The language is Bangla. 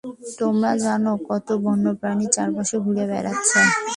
তোমরা জানো কত বন্য প্রাণী চারপাশে ঘুরে বেড়াচ্ছে?